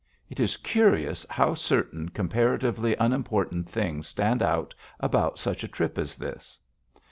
It is curious how certain comparatively unimportant things stand out about such a trip as this.